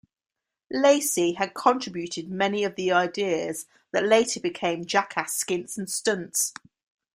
Lacy has contributed many of the ideas that later became Jackass skits and stunts.